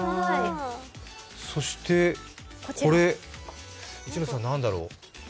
そして、これ、一ノ瀬さん、何だろう？